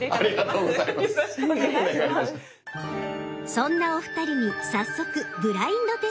そんなお二人に早速ブラインドテスト！